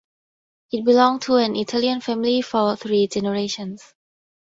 It belonged to an Italian family for three generations.